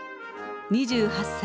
２８歳。